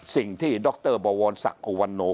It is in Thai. สิ่งที่ดรบวรศักดิ์อุวันโน